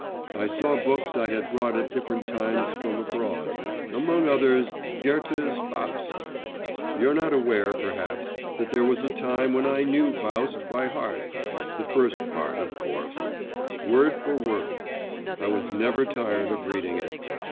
I saw books I had brought at different times from abroad, among others, Goethe's Faust. You're not aware, perhaps, that there was a time when I knew Faust by heart (the first part, of course) word for word; I was never tired of reading it.